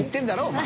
お前。